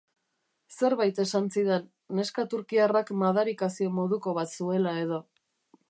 Zerbait esan zidan, neska turkiarrak madarikazio moduko bat zuela edo.